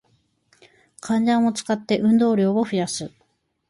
階段を使って、運動量を増やす